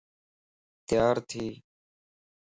تيار ٿي